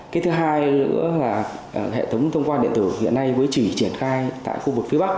cái thứ hai nữa là hệ thống thông quan điện tử hiện nay mới chỉ triển khai tại khu vực phía bắc